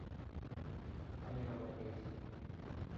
আমি রওনা দিয়েছি।